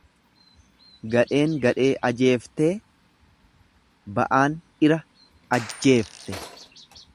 Gadheen gadhee ajeeftee ba'aan dhira ajjeefte.